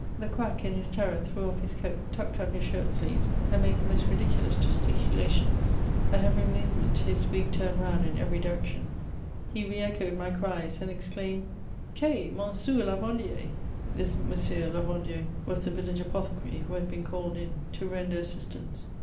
The quack, in his terror, threw off laa coat, tucked up his shirt sleeves, and made the most ridiculous gesticulations. At every movement, his wig turned round in every direction; he re echoed my cries, and ex claimed :*' Che ? Monsou Lavandier.*' This M. Lavandier was the village apothecary, who had been called in to render assistance.